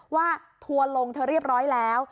ทัวร์ลงเธอเรียบร้อยแล้ว